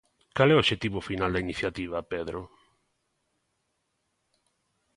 Cal é o obxectivo final da iniciativa, Pedro?